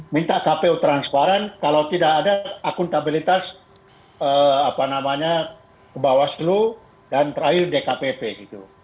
minta kpu transparan kalau tidak ada akuntabilitas bawaslu dan terakhir dkpp gitu